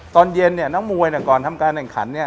ตอนเย็นเนี่ยน้องมวยก่อนทำการแข่งขันเนี่ย